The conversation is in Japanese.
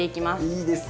いいですね。